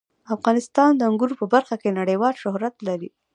افغانستان د انګورو په برخه کې نړیوال شهرت لري.